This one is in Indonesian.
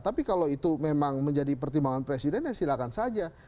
tapi kalau itu memang menjadi pertimbangan presiden ya silahkan saja